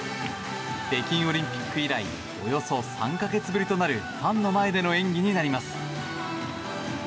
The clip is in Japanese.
北京オリンピック以来およそ３か月ぶりとなるファンの前での演技となります。